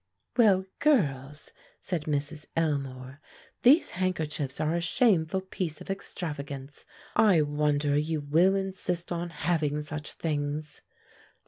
"Well, girls," said Mrs. Elmore, "these handkerchiefs are a shameful piece of extravagance. I wonder you will insist on having such things."